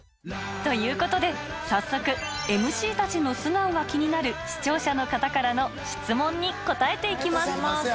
ということで早速ＭＣたちの素顔が気になる視聴者の方からの質問に答えていきます